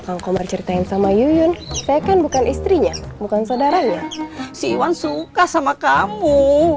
kangkomar ceritain sama yuyun saya kan bukan istrinya bukan saudaranya siwan suka sama kamu